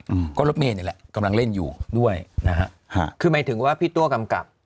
อืมก็รถเมย์นี่แหละกำลังเล่นอยู่ด้วยนะฮะฮะคือหมายถึงว่าพี่ตัวกำกับ